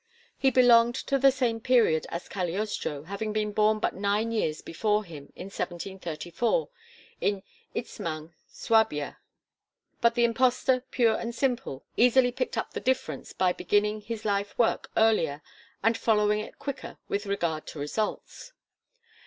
He belonged to the same period as Cagliostro, having been born but nine years before him, in 1734, in Itzmang, Suabia; but the impostor pure and simple easily picked up the difference by beginning his life work earlier and following it quicker with regard to results.